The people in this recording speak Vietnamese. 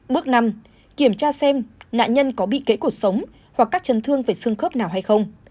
bước năm kiểm tra xem nạn nhân có bị kễ cổ sống hoặc các chân thương về xương khớp nào hay không